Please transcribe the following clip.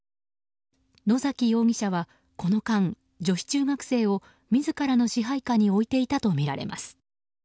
野崎容疑者はこの間、女子中学生を自らの支配下に置いていたとみられます。